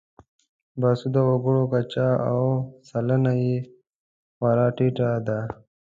باسواده وګړو کچه او سلنه یې خورا ټیټه ده.